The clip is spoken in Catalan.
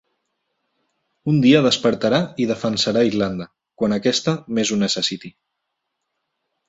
Un dia despertarà i defensarà Irlanda, quan aquesta més ho necessiti.